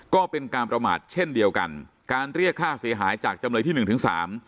ก็เป็นการประมาทเช่นเดียวกันการเรียกค่าเสียหายจากจำเลยที่หนึ่งถึงสาม